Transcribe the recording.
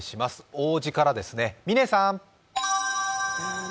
王子からですね、嶺さん。